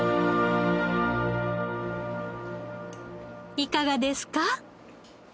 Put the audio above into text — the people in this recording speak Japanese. いかがですか？